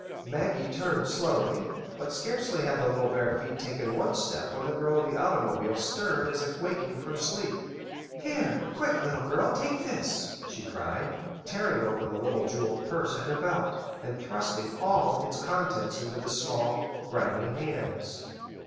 Maggie turned slowly; but scarcely had the little bare feet taken one step when the girl in the automobile stirred as if waking from sleep. "Here quick little girl, take this," she cried, tearing open the little jeweled purse at her belt, and thrusting all its contents into the small, grimy hands.